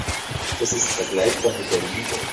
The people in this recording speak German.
Das ist vergleichbar mit der Liebe.